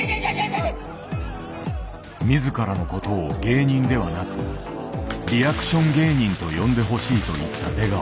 自らのことを芸人ではなく「リアクション芸人」と呼んでほしいと言った出川。